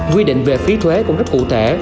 quy định về phí thuế cũng rất cụ thể